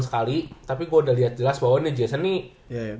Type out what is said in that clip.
kalau gue udah liat jelas bahwa ini jason nih